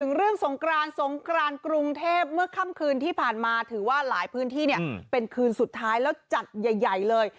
เรื่องสงกรานสงกรานกรุงเทพเมื่อค่ำคืนที่ผ่านมาถือว่าหลายพื้นที่เนี่ยเป็นคืนสุดท้ายแล้วจัดใหญ่เลย